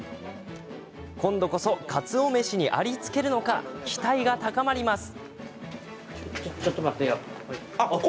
今度こそかつお飯にありつけるのか期待が高まります。